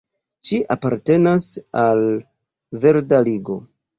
Ŝi apartenas al verda Ligo.